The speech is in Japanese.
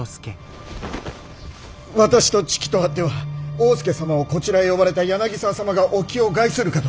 私と知己とあっては大典侍様をこちらへ呼ばれた柳沢様がお気を害するかと！